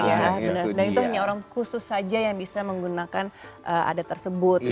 dan itu hanya orang khusus saja yang bisa menggunakan adat tersebut gitu